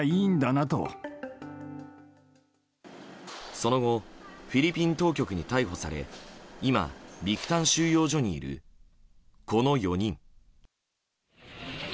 その後フィリピン当局に逮捕され今、ビクタン収容所にいるこの４人。